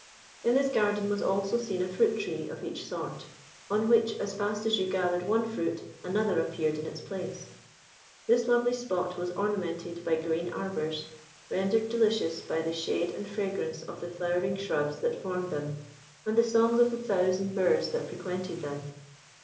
In this garden was also seen a fruit tree of each sort, on which as fast as you gathered one fruit another appeared in its place. This lovely spot was ornamented by green arbours, rendered delicious by the shade and fragrance of the flowering shrubs that formed them, and the songs of the thousand birds that frequented them.